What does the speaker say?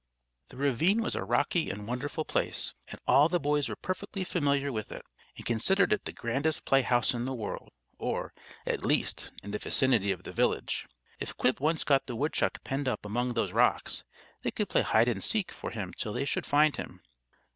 The ravine was a rocky and wonderful place, and all the boys were perfectly familiar with it, and considered it the grandest play house in the world, or, at least, in the vicinity of the village. If Quib once got the woodchuck penned up among those rocks, they could play hide and seek for him till they should find him.